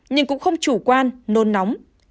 nhưng cũng không chủ quan nôn nóng